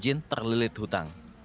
yang rajin terlilit hutang